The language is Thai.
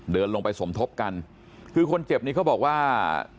เดินลงไปสมทบกันคือคนเจ็บนี้เขาบอกว่า